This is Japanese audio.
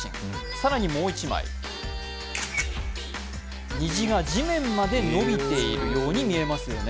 更にもう１枚、虹が地面まで伸びているように見えますよね。